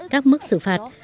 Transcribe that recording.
các mức xử phạt